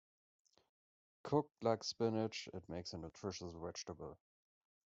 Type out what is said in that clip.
Cooked like spinach, it makes a nutritious vegetable.